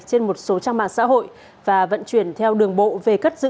trên một số trang mạng xã hội và vận chuyển theo đường bộ về cất giữ